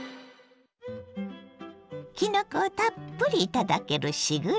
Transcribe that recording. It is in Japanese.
きのこをたっぷり頂けるしぐれ煮。